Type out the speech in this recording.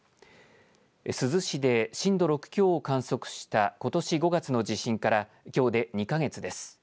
珠洲市で震度６強を観測したことし５月の地震からきょうで２か月です。